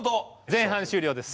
前半終了です。